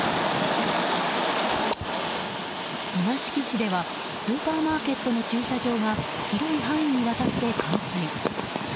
稲敷市ではスーパーマーケットの駐車場が広い範囲にわたって冠水。